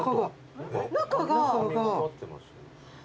中が。